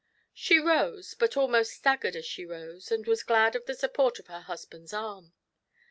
She rose, but almost staggered as she rose, and was glad of the support of her husband's arm.